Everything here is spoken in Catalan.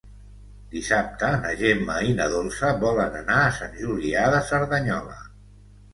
Dissabte na Gemma i na Dolça volen anar a Sant Julià de Cerdanyola.